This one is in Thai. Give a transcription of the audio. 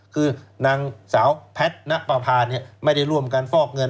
คือนางสาวแพทย์ณปภาไม่ได้ร่วมกันฟอกเงิน